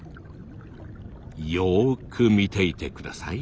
よく見ていてください。